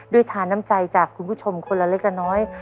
ทานน้ำใจจากคุณผู้ชมคนละเล็กละน้อย